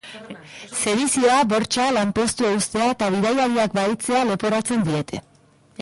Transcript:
Sedizioa, bortxa, lanpostua uztea eta bidaiariak bahitzea leporatzen diete.